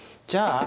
じゃあ。